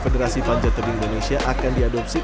federasi funjet training indonesia akan diadopsi